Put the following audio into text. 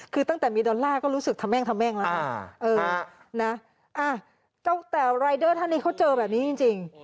คือตั้งแต่มีดอลลาร์ก็รู้สึกทะแม่งทำแม่งแล้วแต่รายเดอร์ท่านนี้เขาเจอแบบนี้จริง